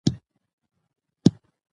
د وخت مدیریت زده کړئ.